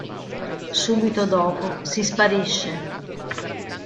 Subito dopo si sparisce.